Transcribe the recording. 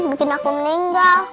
bikin aku meninggal